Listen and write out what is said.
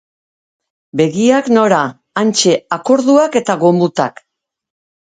Begiak nora, hantxe akorduak eta gomutak.